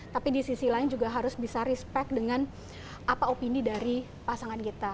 tapi di sisi lain juga harus bisa respect dengan apa opini dari pasangan kita